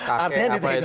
artinya di take down